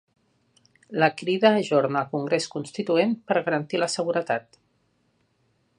La Crida ajorna el congrés constituent per garantir la seguretat